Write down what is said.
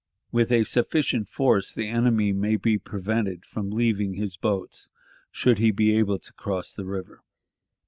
With a sufficient force, the enemy may be prevented from leaving his boats, should he be able to cross the river.